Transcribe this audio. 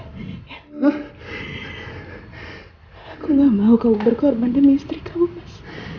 aku gak mau kamu berkorban demi istri kamu mas